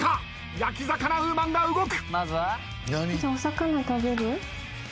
焼き魚ウーマンが動く。